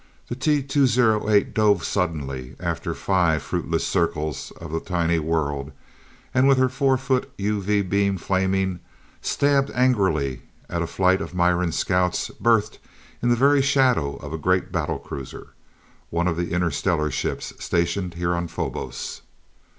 The T 208 dove suddenly, after five fruitless circles of the tiny world, and with her four foot UV beam flaming, stabbed angrily at a flight of Miran scouts berthed in the very shadow of a great battle cruiser, one of the interstellar ships stationed here on Phobos.